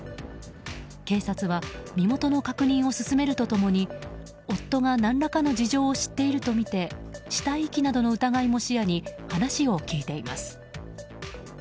警察は身元の確認を進めると共に夫が、何らかの事情を知っているとみて死体遺棄などの疑いも視野に話を聞いています。